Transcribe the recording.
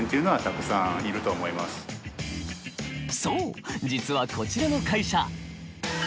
そう実はこちらの会社。